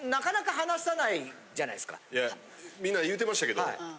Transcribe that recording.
いやみんな言うてましたけど。